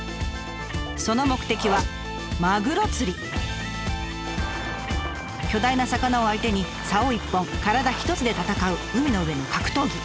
その目的は巨大な魚を相手にさお一本体一つで戦う海の上の格闘技。